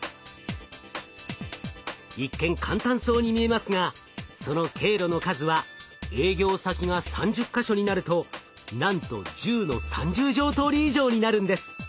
一見簡単そうに見えますがその経路の数は営業先が３０か所になるとなんと１０の３０乗通り以上になるんです。